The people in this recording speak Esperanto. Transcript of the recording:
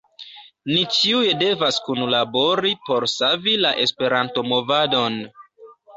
Ni ĉiuj devas kunlabori por savi la Esperanto-movadon.